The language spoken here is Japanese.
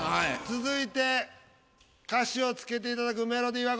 続いて歌詞をつけていただくメロディーはこちら。